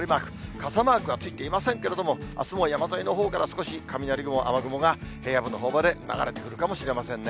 傘マークはついていませんけれども、あすも山沿いのほうから少し雷雲、雨雲が平野部のほうまで流れてくるかもしれませんね。